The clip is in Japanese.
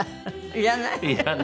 いらない？